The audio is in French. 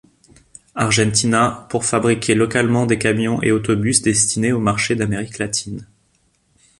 Argentina pour fabriquer localement des camions et autobus destinés aux marchés d'Amérique Latine.